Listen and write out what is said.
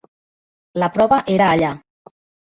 La prova era allà.